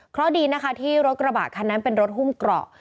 เพราะดีนะคะที่รถกระบะคันนั้นเป็นรถหุ้มเกราะ